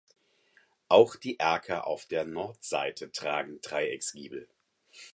Auch die Erker auf der Nordseite tragen Dreiecksgiebel.